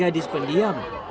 dia hadis pendiam